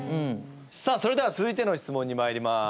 さあそれでは続いての質問にまいります。